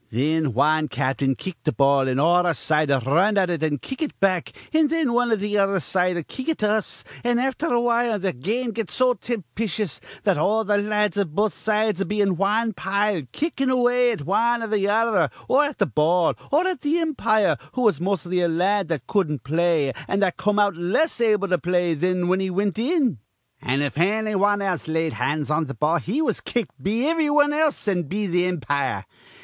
Thin wan cap'n'd kick th' ball, an' all our side'd r run at it an' kick it back; an' thin wan iv th' other side'd kick it to us, an' afther awhile th' game'd get so timpischous that all th' la ads iv both sides'd be in wan pile, kickin' away at wan or th' other or at th' ball or at th' impire, who was mos'ly a la ad that cudden't play an' that come out less able to play thin he was whin he wint in. An', if anny wan laid hands on th' ball, he was kicked be ivry wan else an' be th' impire.